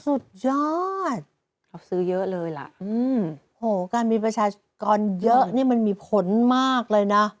สุดยอดเขาซื้อเยอะเลยล่ะอืมโหการมีประชากรเยอะนี่มันมีผลมากเลยนะ